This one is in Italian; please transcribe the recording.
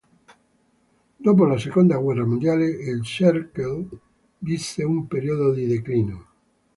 Dopo la seconda guerra mondiale il Cercle visse un periodo di declino.